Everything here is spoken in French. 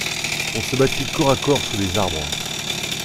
On se battit corps à corps sous les arbres.